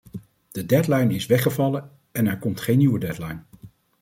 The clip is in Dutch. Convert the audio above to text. De deadline is weggevallen en er komt geen nieuwe deadline.